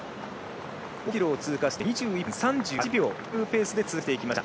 ５ｋｍを通過して２１分３８秒というペースで通過していきました。